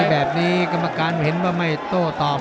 แบบนี้กรรมการเห็นว่าไม่โต้ตอบ